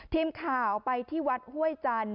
ทีมข่าวไปที่วัดห้วยจันทร์